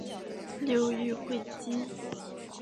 流寓会稽。